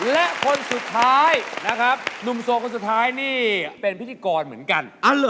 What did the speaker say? และคนสุดท้ายนะครับหนุ่มโสดคนสุดท้ายนี่เป็นพิธีกรเหมือนกัน